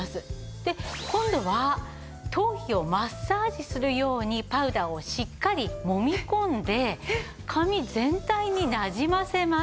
で今度は頭皮をマッサージするようにパウダーをしっかりもみ込んで髪全体になじませます。